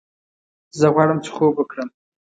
زه غواړم چې خوب وکړم